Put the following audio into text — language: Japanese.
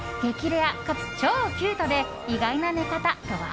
レアかつ超キュートで意外な寝方とは。